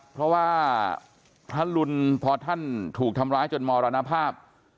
เพราะว่าพระลุนพอท่านถูกทำร้ายจนมรณภาพ